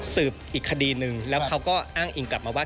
สืบอีกคดีนึงแล้วเขาก็อ้างอิงกลับมาว่า